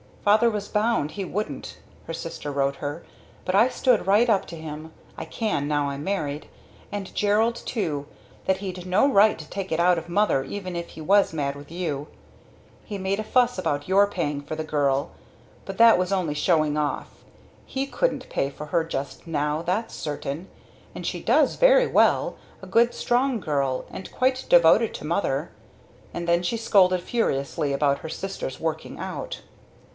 "Father was bound he wouldn't," her sister wrote her; "but I stood right up to him, I can now I'm married! and Gerald too that he'd no right to take it out of mother even if he was mad with you. He made a fuss about your paying for the girl but that was only showing off he couldn't pay for her just now that's certain. And she does very well a good strong girl, and quite devoted to mother." And then she scolded furiously about her sister's "working out."